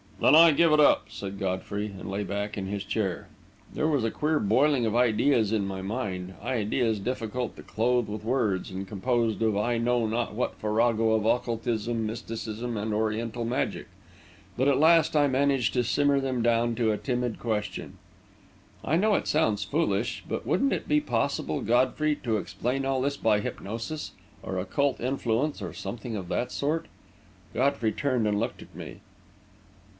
"Then I give it up," said Godfrey, and lay back in his chair. There was a queer boiling of ideas in my mind; ideas difficult to clothe with words, and composed of I know not what farrago of occultism, mysticism, and Oriental magic; but at last I managed to simmer them down to a timid question: "I know it sounds foolish, but wouldn't it be possible, Godfrey, to explain all this by hypnosis, or occult influence, or something of that sort?" Godfrey turned and looked at me.